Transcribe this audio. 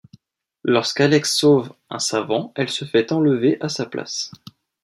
Lorsqu'Alex sauve un savant elle se fait enlever à sa place.